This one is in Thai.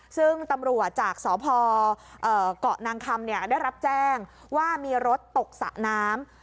ซึ่งตำรวจจากสพเกาะนางคำได้รับแจ้งว่ามีรถตกสระน้ำ